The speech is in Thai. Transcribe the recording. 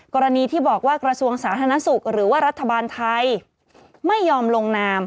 กรณีที่บอกว่ากระทรวงสาธารณสุขหรือว่ารัฐบาลไทยไม่ยอมลงนาม